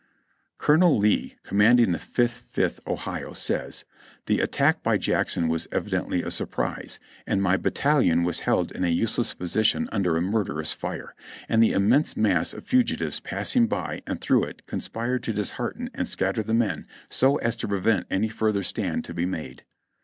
Colonel Lee, commanding the Fifth fifth Ohio, says : "The at tack by Jackson was evidently a surprise, and my battalion was held in a useless position under a murderous fire, and the immense mass of fugitives passing by and through it conspired to dishearten and scatter the men so as to prevent any further stand to be made."